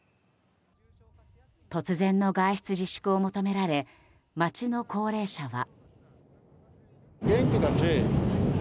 突然の外出自粛を求められ街の高齢者は。